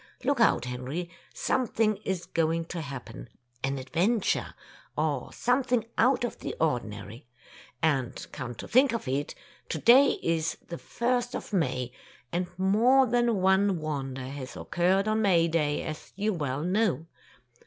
Look out, Henry, something is going to happen — an adventure, or something out of the ordinary. And come to think of it, to day is the first of May, and more than one wonder has occurred on May Day, as you well know.